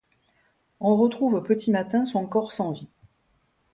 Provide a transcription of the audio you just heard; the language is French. On retrouve au petit matin son corps sans vie.